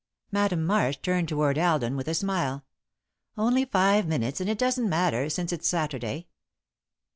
Madame Marsh turned toward Alden with a smile. "Only five minutes, and it doesn't matter, since it's Saturday."